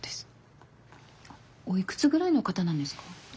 おいくつぐらいの方なんですか？